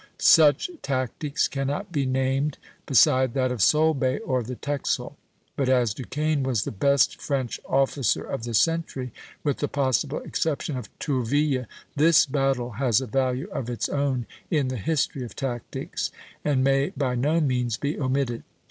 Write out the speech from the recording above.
Such tactics cannot be named beside that of Solebay or the Texel; but as Duquesne was the best French officer of the century, with the possible exception of Tourville, this battle has a value of its own in the history of tactics, and may by no means be omitted.